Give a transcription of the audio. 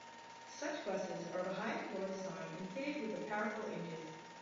Such buses are of a high floor design and fitted with a powerful engine.